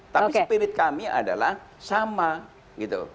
tapi spirit kami adalah sama gitu